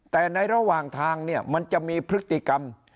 แต่ในระหว่างทางเนี่ยมันจะมีพฤติกรรม